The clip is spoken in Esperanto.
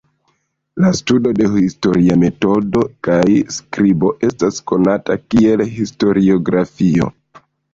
La studo de historia metodo kaj skribo estas konata kiel historiografio.